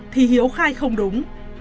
thì hiếu khai không đúng